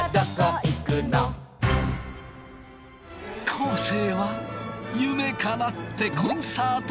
昴生は夢かなってコンサートホールへ。